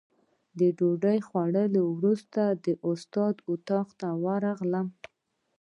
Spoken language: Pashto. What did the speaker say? د ډوډۍ خوړلو وروسته د استاد اتاق ته راغلم.